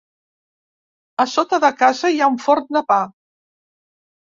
A sota de casa hi ha un forn de pa.